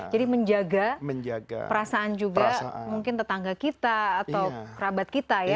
jadi menjaga perasaan juga mungkin tetangga kita atau rabat kita ya